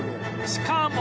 しかも